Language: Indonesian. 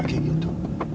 tapi kalau belum aku